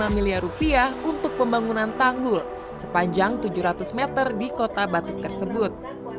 dua belas tujuh puluh lima miliar rupiah untuk pembangunan tanggul sepanjang tujuh ratus meter di kota batuk tersebut